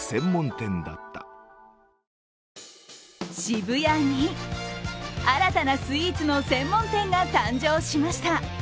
渋谷に新たなスイーツの専門店が誕生しました。